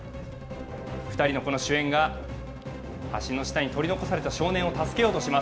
２人の主演が、橋の下に取り残された少年を助けようとします。